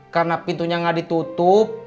karena pintunya gak ditutup